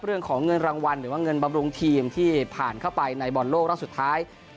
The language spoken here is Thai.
เรื่องของเงินรางวัลหรือว่าเงินบำรุงทีมที่ผ่านเข้าไปในบอลโลกรอบสุดท้าย